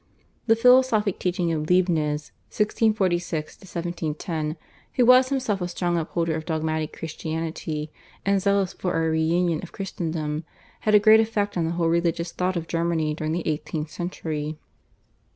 The philosophic teaching of Leibniz (1646 1710), who was himself a strong upholder of dogmatic Christianity and zealous for a reunion of Christendom, had a great effect on the whole religious thought of Germany during the eighteenth century.